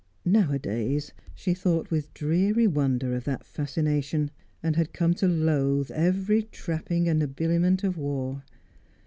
Nowadays she thought with dreary wonder of that fascination, and had come to loathe every trapping and habiliment of war.